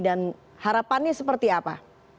dan harapannya seperti apa